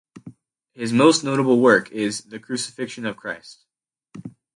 His most notable work is the Crucifixion of Christ.